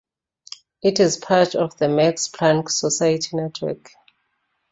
It is part of the Max Planck Society network.